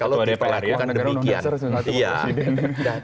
kalau dilakukan demikian